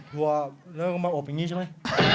ถั่วเริ่มมาอบอย่างนี้ใช่ไหม